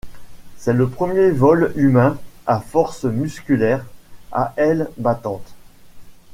C'est le premier vol humain à force musculaire à ailes battantes.